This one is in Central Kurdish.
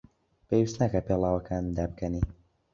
پێویست ناکات پێڵاوەکانت دابکەنی.